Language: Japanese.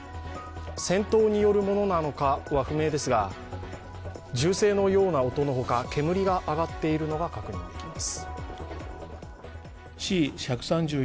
戦闘によるものなのかは不明ですが、銃声のような音のほか煙が上がっているのが確認できます。